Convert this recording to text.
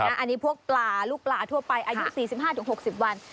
อันนี้พวกปลาลูกปลาทั่วไปอายุ๔๕๖๐วัน